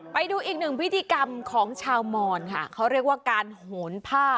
ไปดูอีกหนึ่งพิธีกรรมของชาวมอนค่ะเขาเรียกว่าการโหนผ้า